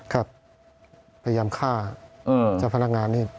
ครับพยายามฆ่าเจ้าพนักงานนิด